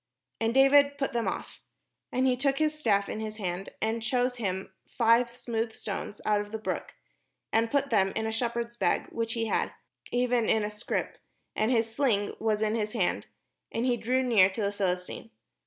And David put them off him. And he took his staff in his hand, and chose him five smooth stones out of the brook, and put them in a shep herd's bag which he had, even in a scrip; and his sling was in his hand ; and he drew near to the Philistine.